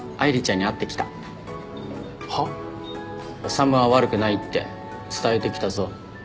修は悪くないって伝えてきたぞ。